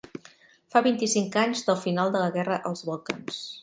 Fa vint-i-cinc anys del final de les guerres als Balcans.